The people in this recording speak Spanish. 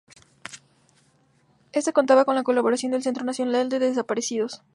Este contaba con la colaboración del Centro Nacional de Desaparecidos.